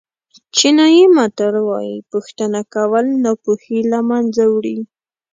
چینایي متل وایي پوښتنه کول ناپوهي له منځه وړي.